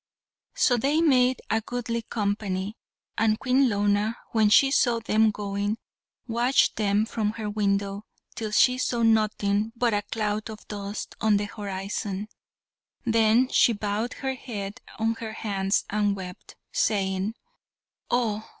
So they made a goodly company, and Queen Lona, when she saw them going, watched them from her window till she saw nothing but a cloud of dust on the horizon; then she bowed her head on her hands and wept, saying: "Oh!